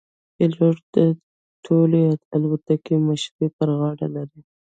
پیلوټ د ټولې الوتکې مشري پر غاړه لري.